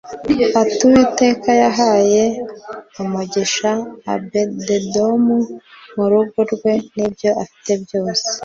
bati “Uwiteka yahaye umugisha Obededomu n’urugo rwe n’ibyo afite byose